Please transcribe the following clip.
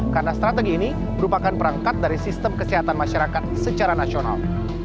karena strategi ini merupakan perangkat dari sistem kesehatan masyarakat secara nasional